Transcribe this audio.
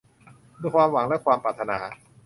ความหวังและความปรารถนา